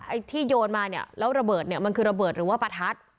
ไอ้ที่โยนมาเนี่ยแล้วระเบิดเนี่ยมันคือระเบิดหรือว่าประทัด